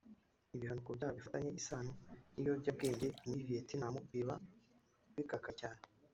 Ibihano ku byaha bifitanye isano n’ibiyobyabwenge muri Vietnam biba bikakaye cyane